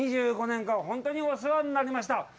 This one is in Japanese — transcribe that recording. ２５年間、本当にお世話になりました。